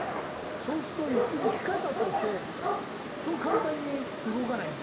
そうするといき方としてそう簡単に動かない。